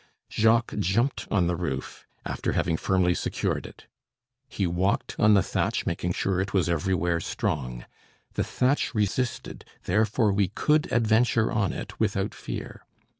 Jacques jumped on the roof, after having firmly secured it. He walked on the thatch, making sure it was everywhere strong. The thatch resisted; therefore we could adventure on it without fear.